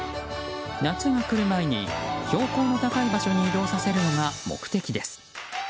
夏が来る前に、標高の高い場所に移動させるのが目的です。